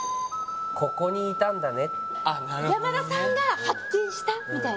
ここに居たんだね山田さんが発見したみたいな？